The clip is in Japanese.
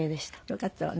よかったわね。